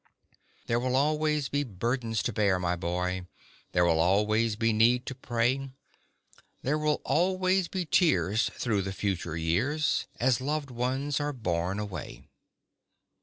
There will always be burdens to bear, my boy; There will always be need to pray; There will always be tears through the future years, As loved ones are borne away.